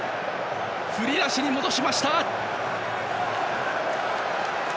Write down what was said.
振り出しに戻しました！